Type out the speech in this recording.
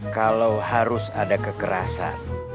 kalau harus ada kekerasan